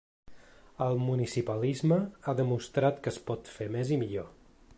El municipalisme ha demostrat que es pot fer més i millor.